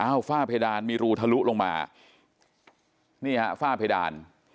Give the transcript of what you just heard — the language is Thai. ฝ้าเพดานมีรูทะลุลงมานี่ฮะฝ้าเพดาน